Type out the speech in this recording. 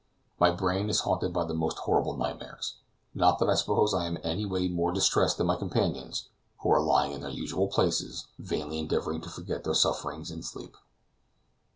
My brain is haunted by most horrible nightmares; not that I suppose I am in anyway more distressed than my companions, who are lying in their usual places, vainly endeavoring to forget their sufferings in sleep.